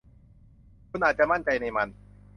คุณอาจจะมั่นใจในมัน